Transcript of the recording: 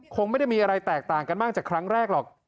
คงไม่ได้มีอะไรแตกต่างกันมากจากครั้งแรกหรอก